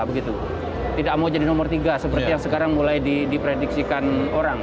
tidak mau jadi nomor tiga seperti yang sekarang mulai diprediksikan orang